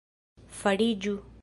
fariĝu